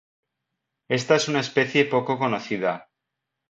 Esta es una especie poco conocida.